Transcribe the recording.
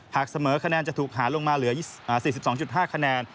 หากเสมอคะแนนจะถูกหาลงมาเหลือ๔๒๕คะแนน